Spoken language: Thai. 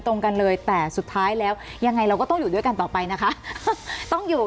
ตรงกันเลยแต่สุดท้ายแล้วยังไงเราก็ต้องอยู่ด้วยกันต่อไปนะคะต้องอยู่